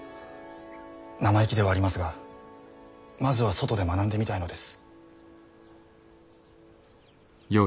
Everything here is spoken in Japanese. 生意気ではありますがまずは外で学んでみたいのです。